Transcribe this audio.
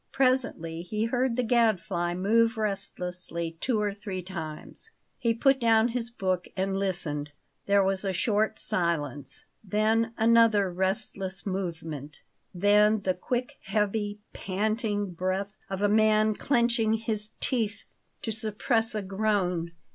Presently he heard the Gadfly move restlessly two or three times. He put down his book and listened. There was a short silence, then another restless movement; then the quick, heavy, panting breath of a man clenching his teeth to suppress a groan.